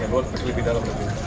dan di bagian luar lebih dalam